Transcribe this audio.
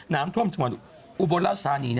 น้ำท่วมชมอุบลราชาณี